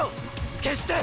決して！！